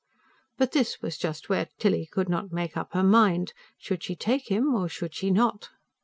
But this was just where Tilly could not make up her mind: should she take him, or should she not?